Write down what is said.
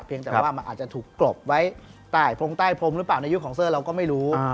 แต่ว่ามันอาจจะถูกกลบไว้ใต้พรงใต้พรมหรือเปล่าในยุคของเซอร์เราก็ไม่รู้